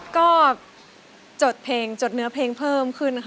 ก็จดเพลงจดเนื้อเพลงเพิ่มขึ้นนะคะ